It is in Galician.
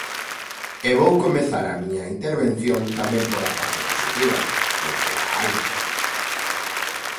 E vou comezar a miña intervención tamén pola parte positiva, porque a hai.